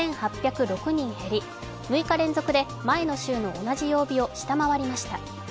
人減り、６日連続で前の週の同じ曜日を下回りました。